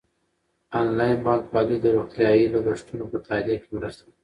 انلاین بانکوالي د روغتیايي لګښتونو په تادیه کې مرسته کوي.